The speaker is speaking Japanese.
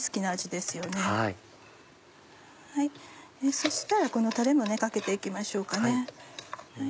そしたらこのたれもかけて行きましょうかね。